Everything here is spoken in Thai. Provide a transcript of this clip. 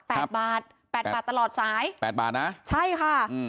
บาทแปดบาทตลอดสายแปดบาทนะใช่ค่ะอืม